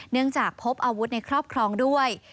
จากพบอาวุธในครอบครองด้วย